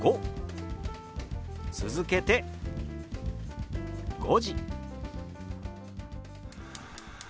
続けて「５時」。